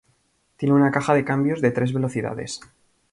Tiene una caja de cambios de tres velocidades.